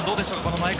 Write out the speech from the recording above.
前川。